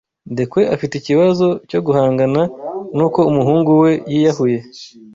Ndekwe afite ikibazo cyo guhangana n’uko umuhungu we yiyahuye.